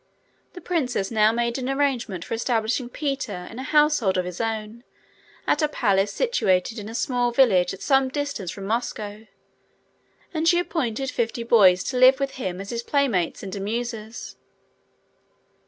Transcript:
The princess now made an arrangement for establishing Peter in a household of his own, at a palace situated in a small village at some distance from Moscow, and she appointed fifty boys to live with him as his playmates and amusers.